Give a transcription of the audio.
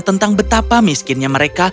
tentang betapa miskinnya mereka